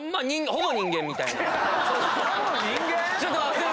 「ほぼ人間」